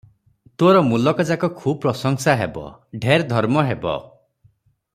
ତୋର ମୁଲକଯାକ ଖୁବ୍ ପ୍ରଶଂସା ହେବ, ଢେର ଧର୍ମ ହେବ ।